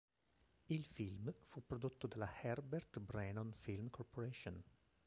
Il film fu prodotto dalla Herbert Brenon Film Corporation.